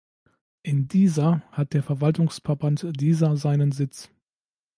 In Diehsa hat der Verwaltungsverband Diehsa seinen Sitz.